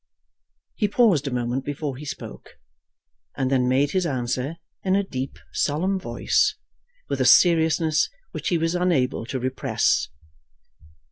He paused a moment before he spoke, and then made his answer in a deep solemn voice, with a seriousness which he was unable to repress.